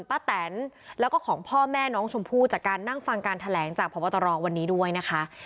แตนแล้วก็ของพ่อแม่น้องชมพู่จากการนั่งฟังการแถลงจากพบตรวันนี้ด้วยนะคะ